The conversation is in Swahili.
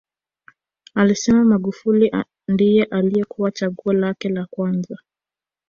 Alisema Magufuli ndiye aliyekuwa chaguo lake la kwanza